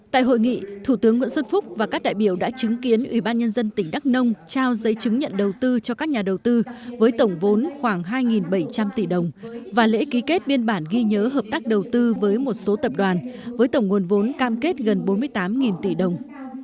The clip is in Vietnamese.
tại hội nghị thủ tướng nguyễn xuân phúc và các đại biểu đã chứng kiến ủy ban nhân dân tỉnh đắk nông trao giấy chứng nhận đầu tư cho các nhà đầu tư với tổng vốn khoảng hai bảy trăm linh tỷ đồng và lễ ký kết biên bản ghi nhớ hợp tác đầu tư với một số tập đoàn với tổng nguồn vốn cam kết gần bốn mươi tám tỷ đồng